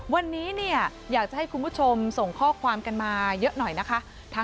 วันนี้เนี่ยอยากจะให้คุณผู้ชมส่งข้อความกันมาเยอะหน่อยนะคะ